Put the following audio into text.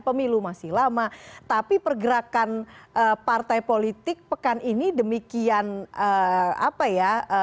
pemilu masih lama tapi pergerakan partai politik pekan ini demikian apa ya